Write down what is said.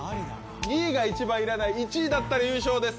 ２位が一番いらない１位だったら優勝です。